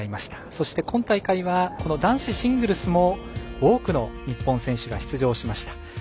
そして今大会は男子シングルスも多くの日本選手が出場しました。